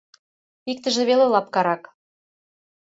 Иктыже веле лапкарак.